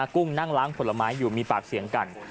กุ้งนั่งล้างผลไม้อยู่มีปากเสียงกัน